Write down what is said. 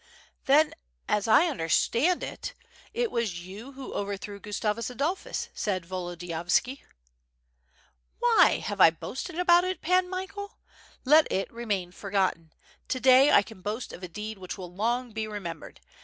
"Then as I understand it, it was you who overthrew Gus tavus Adolphus," said Volodiyovski. "WTiy, have I boasted about it, Pan Michael? Let it re main forgotten. To day I can boast of a deed which will long be remem])ered.